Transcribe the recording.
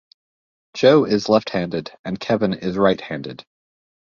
Joe is left-handed and Kevin is right-handed.